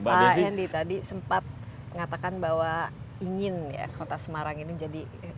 pak hendy tadi sempat mengatakan bahwa ingin ya kota semarang ini jadi